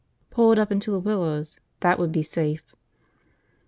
Pull it up into the willows, that would be safe.